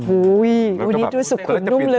อุ้ยอุดีดูสุขุดนุ่มนึก